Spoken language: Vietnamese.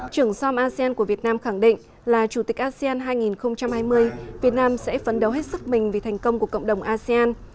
trưởng som asean của việt nam khẳng định là chủ tịch asean hai nghìn hai mươi việt nam sẽ phấn đấu hết sức mình vì thành công của cộng đồng asean